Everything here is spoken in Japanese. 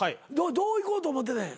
どういこうと思ってたんや？